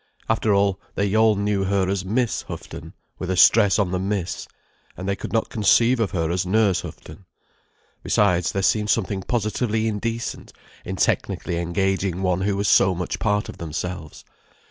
After all, they all knew her as Miss Houghton, with a stress on the Miss, and they could not conceive of her as Nurse Houghton. Besides, there seemed something positively indecent in technically engaging one who was so much part of themselves.